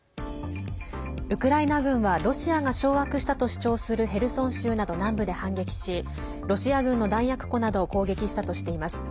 ウクライナ軍はロシアが掌握したと主張するヘルソン州など南部で反撃しロシア軍の弾薬庫などを攻撃したとしています。